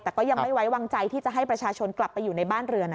แต่ก็ยังไม่ไว้วางใจที่จะให้ประชาชนกลับไปอยู่ในบ้านเรือนะ